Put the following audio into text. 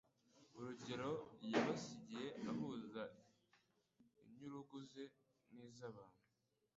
urugero yabasigiye ahuza inyurugu ze n'iz'abantu.